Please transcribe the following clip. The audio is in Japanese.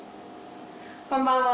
こんばんは。